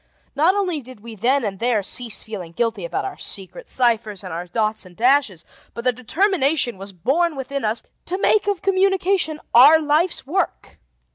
Not only did we then and there cease feeling guilty about our secret ciphers and our dots and dashes, but the determination was born within us to make of communication our life's work.